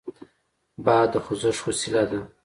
باد د خوځښت وسیله ده.